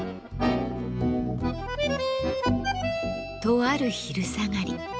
とある昼下がり。